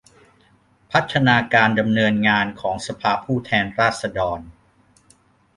พัฒนาการดำเนินงานของสภาผู้แทนราษฎร